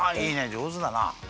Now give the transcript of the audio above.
じょうずだな。